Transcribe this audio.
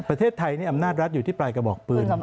ประเทศไทยนี่อำนาจรัฐอยู่ที่ปลายกระบอกปืน